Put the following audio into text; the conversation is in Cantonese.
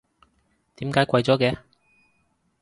點解貴咗嘅？